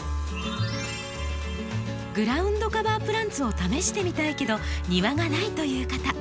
グラウンドカバープランツを試してみたいけど庭がないという方。